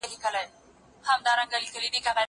هغه وويل چي لوبي مهمي دي؟